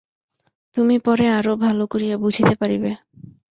তুমি পরে আরও ভাল করিয়া বুঝিতে পারিবে।